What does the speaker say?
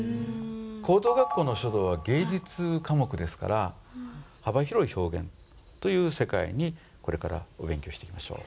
高等学校の書道は芸術科目ですから幅広い表現という世界にこれからお勉強していきましょう。